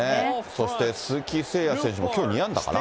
そして鈴木誠也選手も、きょう２安打かな。